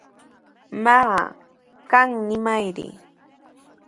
Maa, qam nimayri.